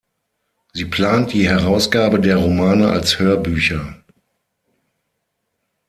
Sie plant die Herausgabe der Romane als Hörbücher.